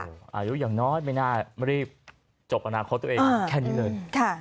อายุอย่างน้อยไม่น่ารีบจบอนาคตตัวเองแค่นี้เลย